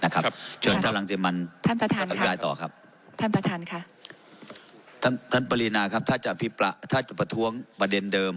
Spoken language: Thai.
ท่านประธานค่ะท่านท่านปริณาครับถ้าจะอภิประถ้าจะประท้วงประเด็นเดิม